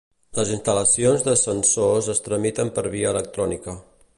Les instal·lacions d'ascensors es tramiten per via electrònica.